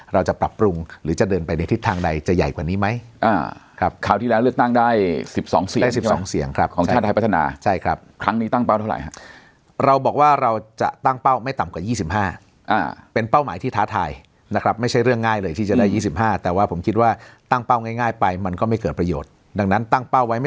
เราจะปรับปรุงหรือจะเดินไปในทิศทางใดจะใหญ่กว่านี้ไหมครับคราวที่แล้วเลือกตั้งได้๑๒เสียง๑๒เสียงครับของชาติไทยพัฒนาใช่ครับครั้งนี้ตั้งเป้าเท่าไหร่ฮะเราบอกว่าเราจะตั้งเป้าไม่ต่ำกว่า๒๕เป็นเป้าหมายที่ท้าทายนะครับไม่ใช่เรื่องง่ายเลยที่จะได้๒๕แต่ว่าผมคิดว่าตั้งเป้าง่ายไปมันก็ไม่เกิดประโยชน์ดังนั้นตั้งเป้าไว้ไม่